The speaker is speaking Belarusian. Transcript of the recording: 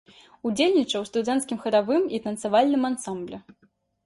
Удзельнічаў у студэнцкім харавым і танцавальным ансамблі.